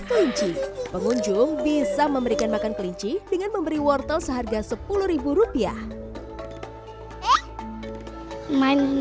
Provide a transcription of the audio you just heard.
kelinci pengunjung bisa memberikan makan kelinci dengan memberi wortel seharga sepuluh rupiah main